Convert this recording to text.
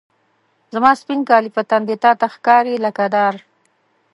زما سپین کالي په تن دي، تا ته ښکاري لکه داره